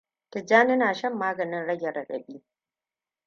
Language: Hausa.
Tijjani na shan maganin rage raɗaɗi.